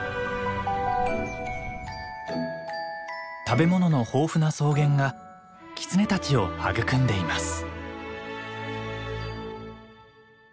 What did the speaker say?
食べ物の豊富な草原がキツネたちを育んでいます。